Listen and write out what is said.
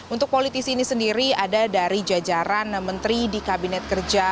untuk politisi ini sendiri ada dari jajaran menteri di kabinet kerja